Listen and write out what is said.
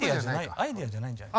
「アイデア」じゃないんじゃない？